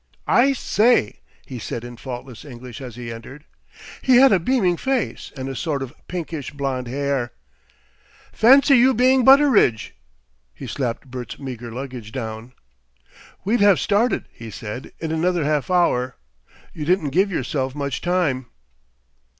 "I say!" he said in faultless English as he entered. He had a beaming face, and a sort of pinkish blond hair. "Fancy you being Butteridge." He slapped Bert's meagre luggage down. "We'd have started," he said, "in another half hour! You didn't give yourself much time!"